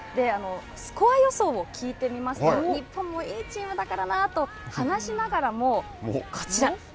スコア予想を聞いてみますと、日本もいいチームだからなと、話しながらも、こちら。